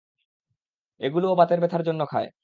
এগুলো ও বাতের ব্যাথার জন্য খায়!